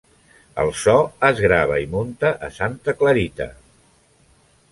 El so es grava i munta a Santa Clarita.